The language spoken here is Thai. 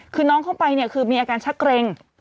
คือน้องเข้าไปเนี่ยคือมีอาการชักเกร็ง